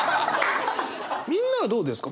みんなはどうですか？